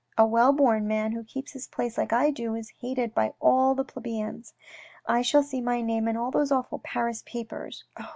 A well born man who keeps his place like I do, is hated by all the plebeians. I shall see my name in all those awful Paris papers.